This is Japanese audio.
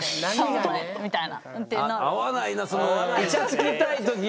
合わないな